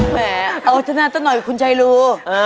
แหมเอาจนาต้นหน่อยคุณชัยรู